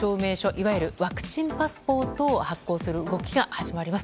いわゆるワクチンパスポートを発行する動きが始まります。